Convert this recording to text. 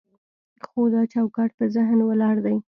خو دا چوکاټ په ذهن ولاړ دی.